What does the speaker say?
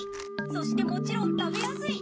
そしてもちろん食べやすい！